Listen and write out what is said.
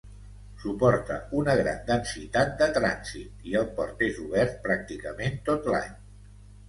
Suporta una gran densitat de trànsit i el port és obert pràcticament tot l'any.